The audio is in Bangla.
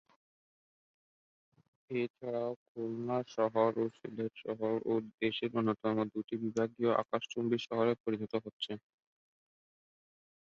এছাড়াও খুলনা শহর ও সিলেট শহর ও দেশের অন্যতম দুইটি বিভাগীয় আকাশচুম্বী শহরে পরিণত হচ্ছে।